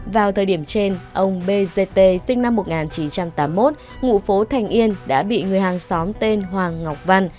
vào thời điểm trên ông bgt sinh năm một nghìn chín trăm tám mươi một ngụ phố thành yên đã bị người hàng xóm tên hoàng ngọc văn